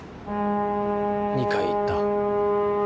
・２回言った。